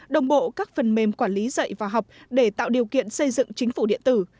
đồng bộ các phần mềm quản lý dạy và học để tạo điều kiện xây dựng chính phủ điện tử